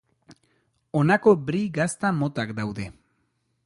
Honako Brie gazta motak daude.